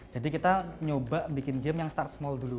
jadi kita nyoba bikin game yang start small dulu